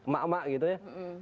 mak mak gitu ya